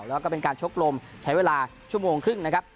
แล้วก็เป็นการชกลมใช้เวลาชั่วโมงครึ่งนะครับ